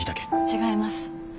違います。